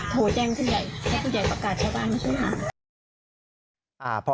โทรแจ้งผู้ใหญ่แจ้งผู้ใหญ่ประกาศชาวบ้านมาช่วยหา